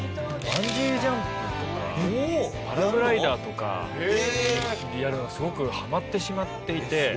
バンジージャンプとかパラグライダーとかをやるのすごくハマってしまっていて。